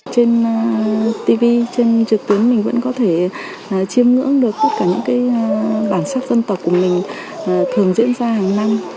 trên tv trên trực tuyến mình vẫn có thể chiêm ngưỡng được tất cả những bản sắc dân tộc của mình thường diễn ra hàng năm